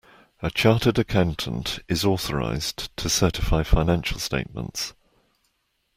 A chartered accountant is authorised to certify financial statements